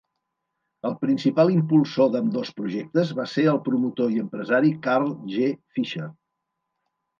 El principal impulsor d'ambdós projectes va ser el promotor i empresari Carl G. Fisher.